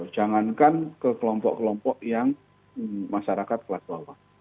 jangankan ke kelompok kelompok yang masyarakat kelas bawah